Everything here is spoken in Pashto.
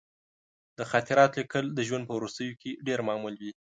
د خاطراتو لیکل د ژوند په وروستیو کې ډېر معمول دي.